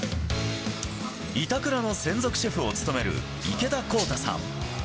板倉の専属シェフを務める池田晃太さん。